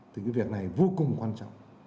thì cái việc này vô cùng quan trọng